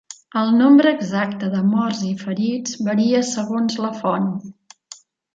El nombre exacte de morts i ferits varia segons la font.